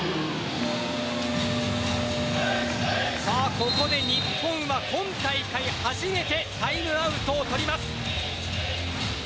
ここで日本が今大会初めてタイムアウトを取ります。